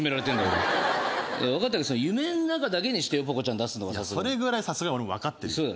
俺わかったけどそれ夢の中だけにしてよポコちゃん出すのはさすがにそれぐらいさすがに俺もわかってるそうだよ